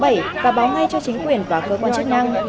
hãy báo ngay cho chính quyền và cơ quan chức năng